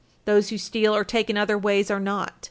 Those who steal or take in other ways are not.